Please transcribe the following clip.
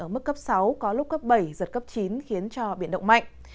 ở mức cấp sáu có lúc cấp bảy giật cấp chín khiến cho biển động mạnh